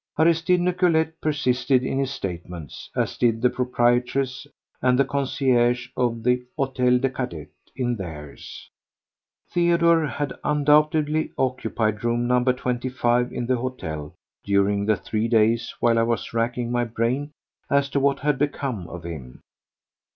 Aristide Nicolet persisted in his statements, as did the proprietress and the concierge of the Hôtel des Cadets in theirs. Theodore had undoubtedly occupied room No. 25 in the hotel during the three days while I was racking my brain as to what had become of him.